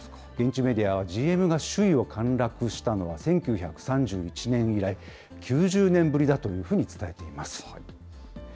現地メディアは、ＧＭが首位を陥落したのは１９３１年以来９０年ぶりだというふうに伝えています。